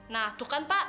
nah tuh kan pak